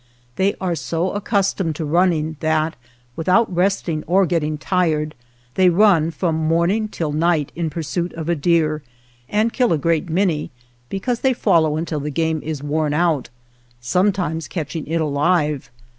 They are so accustomed to running that, without resting or getting tired, they run from morning till night in pursuit of a deer, and kill a great many, because they follow until the game is worn out, sometimes catch ing it alive.